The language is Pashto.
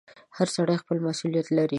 • هر سړی خپل مسؤلیت لري.